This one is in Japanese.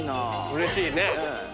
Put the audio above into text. うれしいね。